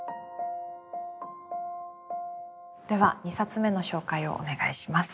では２冊目の紹介をお願いします。